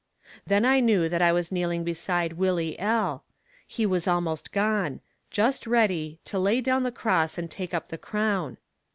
Then I knew that I was kneeling beside Willie L. He was almost gone just ready "to lay down the cross and take up the crown."